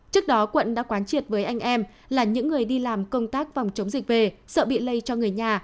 trước đó quận đã quán triệt với anh em là những người đi làm công tác phòng chống dịch về sợ bị lây cho người nhà